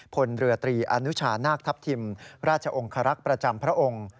พลเรือตรีอนุชานาคทัพทิมราชองคารักษ์ประจำพระองค์